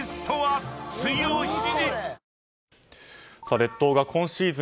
列島が今シーズン